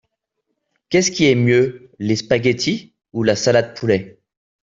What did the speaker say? Qu'est-ce qui est mieux, les spaghetti ou la salade poulet ?